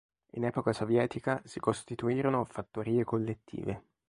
In epoca sovietica, si costituirono fattorie collettive.